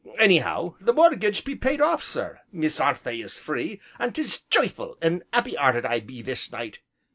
Anyhow, the mortgage be paid off, sir, Miss Anthea's free, an' 'tis joy'ful, an' 'appy 'earted I be this night.